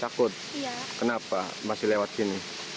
takut kenapa masih lewat sini